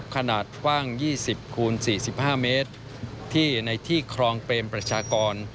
ขนาดกว้าง๒๐คูณ๔๕เมตรที่ในที่ครองเปรมประชากร